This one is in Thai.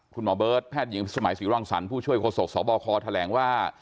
คุณหมอเบิร์ตแพทย์หญิงพิสมัยศรีรังสรรค์ผู้ช่วยโศกสบคแถลงว่า